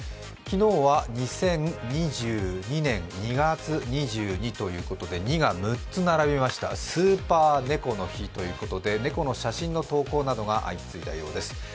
昨日は２０２２年２月２２ということで２が６つ並びました、スーパー猫の日ということで猫の写真の投稿などが相次いだようです。